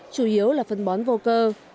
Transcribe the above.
chủ yếu là phân bón vô cơ